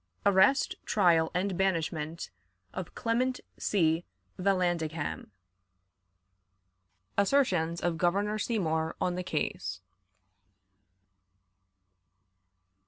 Arrest, Trial, and Banishment of Clement C. Vallandigham. Assertions of Governor Seymour on the Case.